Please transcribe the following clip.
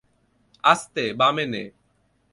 আস্তে, বামে নে।